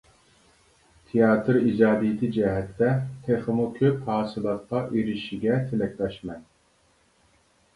تىياتىر ئىجادىيىتى جەھەتتە تېخىمۇ كۆپ ھاسىلاتقا ئېرىشىشىگە تىلەكداشمەن!